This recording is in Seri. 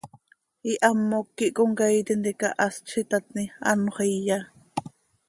Ihamoc quih comcaii tintica hast z itatni, anxö iya.